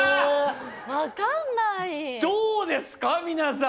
・どうですか皆さん？